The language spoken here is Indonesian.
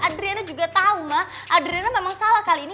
adriana juga tau mah adriana memang salah kali ini